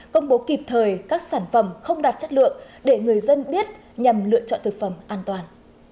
công bố kịp thời các sản phẩm không đạt chất lượng để người dân biết nhằm lựa chọn thực phẩm an toàn